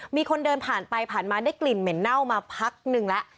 มีคนเดินผ่านไปผ่านมาได้กลิ่นเหม็นเน่ามาพักนึงแล้ว